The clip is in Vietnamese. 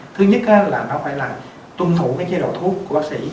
thứ nhất là nó phải là tuân thủ cái chế độ thuốc của bác sĩ